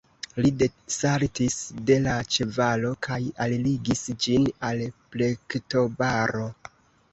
Li desaltis de la ĉevalo kaj alligis ĝin al plektobaro.